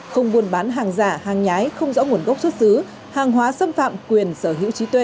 không buôn bán hàng giả hàng nhái không rõ nguồn gốc xuất xứ hàng hóa xâm phạm quyền sở hữu trí tuệ